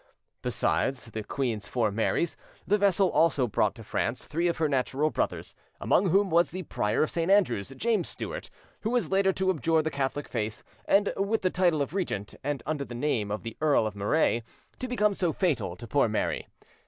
Besides the queen's four Marys, the vessels also brought to France three of her natural brothers, among whom was the Prior of St. Andrews, James Stuart, who was later to abjure the Catholic faith, and with the title of Regent, and under the name of the Earl of Murray, to become so fatal to poor Mary.